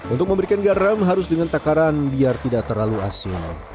untuk memberikan garam harus dengan takaran biar tidak terlalu asin